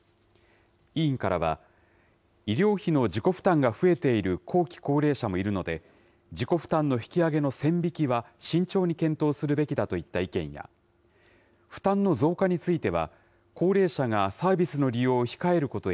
委員からは、医療費の自己負担が増えている後期高齢者もいるので、自己負担の引き上げの線引きは慎重に検討するべきだといった意見や、負担の増加については、高齢者がサービスの利用を控えること